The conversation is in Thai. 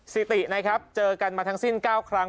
สิตินะครับเจอกันมาทั้งสิ้น๙ครั้ง